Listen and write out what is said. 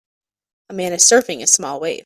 A man is surfing a small wave